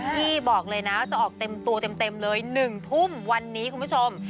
ที่บอกเลยนะจะออกเต็มตัวเต็มเลย๑ทุ่มวันนี้คุณผู้ชม